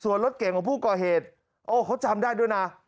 ส่วนรถเก่งของผู้ก่อเหตุโอ้เขาจำได้ด้วยนะ